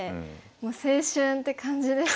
もう青春って感じでしたね。